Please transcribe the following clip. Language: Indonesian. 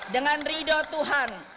dengan rido tuhan